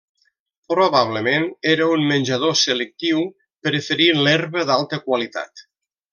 Probablement era un menjador selectiu, preferint l'herba d'alta qualitat.